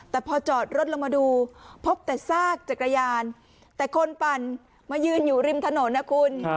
แต่พอจอดรถลงมาดูพบแต่ซากจักรยานแต่คนปั่นมายืนอยู่ริมถนนนะคุณ